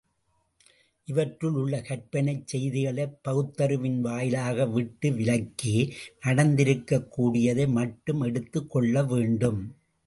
இவற்றுள் உள்ள கற்பனைச் செய்திகளைப் பகுத்தறிவின் வாயிலாக விட்டு விலக்கி, நடந்திருக்கக் கூடியதை மட்டும் எடுத்துக் கொள்ள வேண்டும்.